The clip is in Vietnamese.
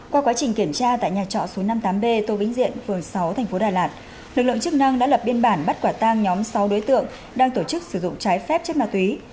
qua quá trình kiểm tra tại nhà trọ số năm mươi tám b tô vĩnh diện phường sáu tp đà lạt lực lượng chức năng đã lập biên bản bắt quả tang nhóm sáu đối tượng đang tổ chức sử dụng trái phép chất ma túy